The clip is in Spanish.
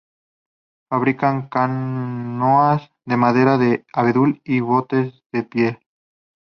Fabricaban canoas de madera de abedul y botes de piel.